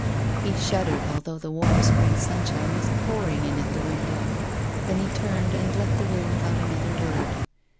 He shuddered although the warm spring sun shine was pouring in at the window. Then he turned and left the room without another word.